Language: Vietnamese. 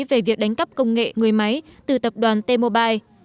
về việc đánh cắp công nghệ người máy từ tập đoàn te mobile